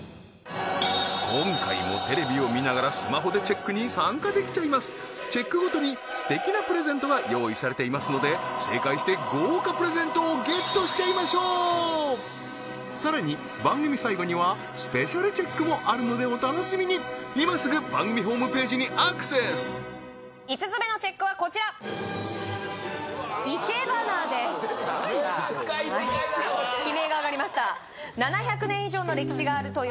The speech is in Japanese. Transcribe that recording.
今回もテレビを見ながらスマホでチェックに参加できちゃいますチェックごとにすてきなプレゼントが用意されていますので正解して豪華プレゼントをゲットしちゃいましょうさらに番組さいごにはスペシャルチェックもあるのでお楽しみにいますぐ番組ホームページにアクセス５つ目のＣＨＥＣＫはこちら生け花ですうわー悲鳴が上がりました